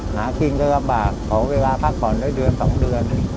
หาขิงก็สบากขอเวลาพักผ่อนด้วยเดือนสองเดือน